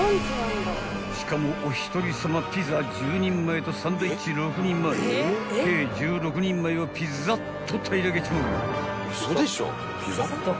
［しかもお一人さまピザ１０人前とサンドイッチ６人前計１６人前をピザっと平らげちまう］